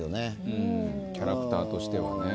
うんキャラクターとしてはね。